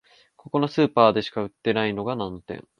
ここのスーパーでしか売ってないのが難点